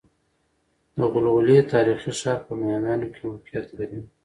دغلغلې تاريخي ښار په باميانو کې موقعيت لري